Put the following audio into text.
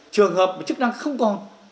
trường hợp chức năng không còn